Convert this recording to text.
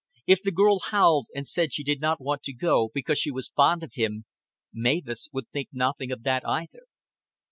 If the girl howled and said she did not want to go because she was fond of him, Mavis would think nothing of that either.